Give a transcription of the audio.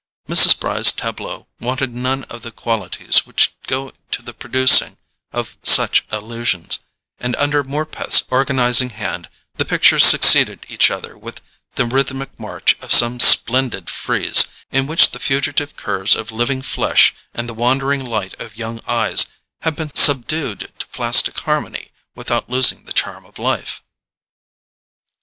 Mrs. Bry's TABLEAUX wanted none of the qualities which go to the producing of such illusions, and under Morpeth's organizing hand the pictures succeeded each other with the rhythmic march of some splendid frieze, in which the fugitive curves of living flesh and the wandering light of young eyes have been subdued to plastic harmony without losing the charm of life.